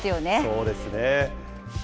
そうですね。